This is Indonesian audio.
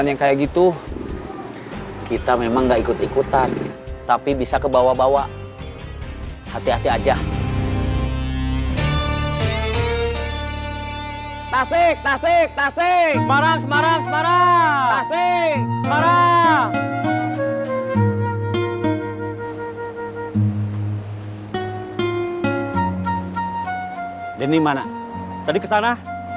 jangan lupa subscribe channel ini